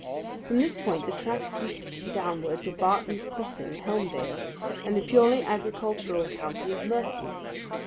From this point the track sweeps downward to Bartons Crossing, Helmdale, and the purely agricultural county of Merton.